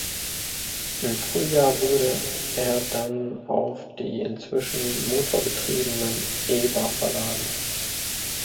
Im Frühjahr wurde er dann auf die inzwischen motorgetriebenen Ewer verladen.